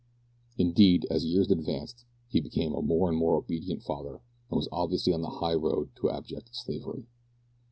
Indeed, as years advanced, he became a more and more obedient father, and was obviously on the high road to abject slavery.